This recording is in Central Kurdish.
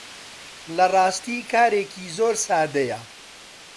لە ڕاستی کارێکی زۆر سادەیە